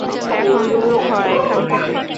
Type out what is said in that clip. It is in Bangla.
এখন দূর হ এখান থেকে।